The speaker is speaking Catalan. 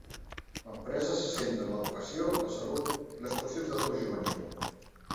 L'empresa se centra en l'educació, la salut i les qüestions d'atur juvenil.